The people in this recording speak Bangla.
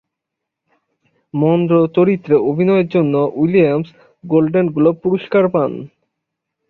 মনরো চরিত্রে অভিনয়ের জন্য উইলিয়ামস গোল্ডেন গ্লোব পুরস্কার পান।